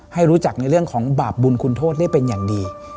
ให้รู้จักในเรื่องของบาปบุญคุณโทษได้เป็นอย่างดี